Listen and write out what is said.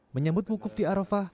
menyambut bukuf di arofah